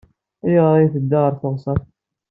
Ayɣer ay tedda ɣer teɣsert?